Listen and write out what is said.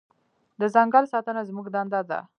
د ځنګل ساتنه زموږ دنده ده.